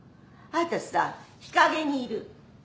あなたさ日陰にいる。